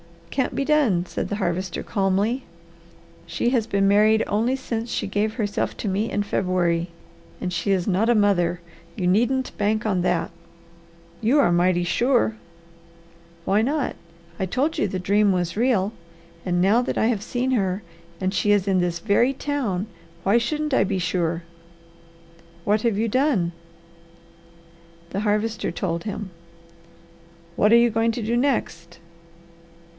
"Can't be done!" said the Harvester calmly. "She has been married only since she gave herself to me in February, and she is not a mother. You needn't bank on that." "You are mighty sure!" "Why not? I told you the dream was real, and now that I have seen her, and she is in this very town, why shouldn't I be sure?" "What have you done?" The Harvester told him. "What are you going to do next?"